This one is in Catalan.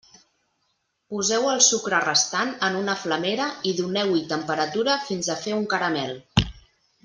Poseu el sucre restant en una flamera i doneu-hi temperatura fins a fer un caramel.